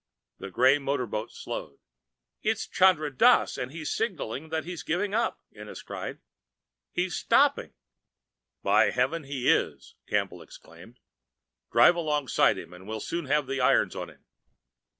The gray motor boat slowed. "It's Chandra Dass and he's signaling that he's giving up!" Ennis cried. "He's stopping!" "By heavens, he is!" Campbell explained. "Drive alongside him, and we'll soon have the irons on him."